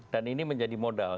dan ini menjadi modal